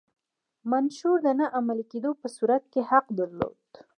منشور د نه عملي کېدو په صورت کې حق درلود.